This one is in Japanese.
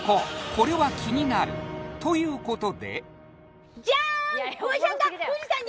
これは気になるということでジャーン！